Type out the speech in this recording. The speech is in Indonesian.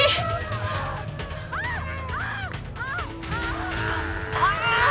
kamu yangukan diaman vaiyang